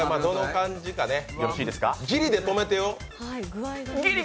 ギリで止めてよ！